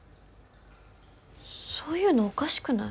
そういうのおかしくない？